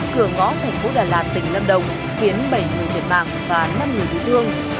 cửa ngõ thành phố đà lạt tỉnh lâm đồng khiến bảy người thiệt mạng và năm người bị thương